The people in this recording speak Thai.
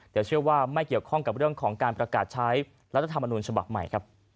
แต่เชื่อว่าไม่เกี่ยวข้องกับเรื่องของการประกาศใช้รัฐธรรมนุนฉบับใหม่ครับ